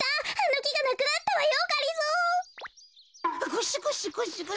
ゴシゴシゴシゴシ。